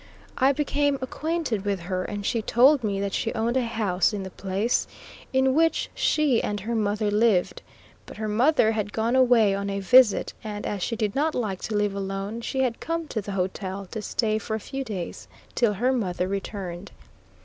I became acquainted with her, and she told me that she owned a house in the place, in which she and her mother lived; but her mother had gone away on a visit, and as she did not like to live alone she had come to the hotel to stay for a few days till her mother returned.